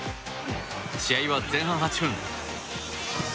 試合は前半８分。